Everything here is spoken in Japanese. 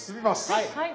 はい。